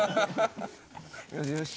よしよし。